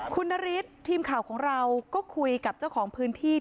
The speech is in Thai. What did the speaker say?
คุณนริสทีมข่าวของเราก็คุยกับเจ้าของพื้นพื้นนะครับ